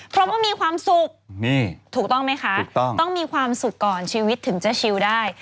เพราะว่ามีความสุขถูกต้องไหมคะต้องมีความสุขก่อนชีวิตถึงจะชิวได้